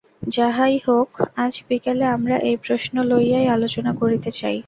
যাহাই হউক, আজ বিকালে আমরা এই প্রশ্ন লইয়াই আলোচনা করিতে চাই।